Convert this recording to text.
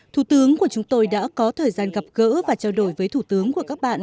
thủ tướng của chúng tôi đã có thời gian gặp gỡ và trao đổi với thủ tướng của các bạn